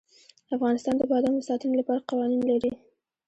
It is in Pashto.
افغانستان د بادام د ساتنې لپاره قوانین لري.